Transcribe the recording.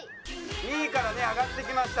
２位からね上がってきました。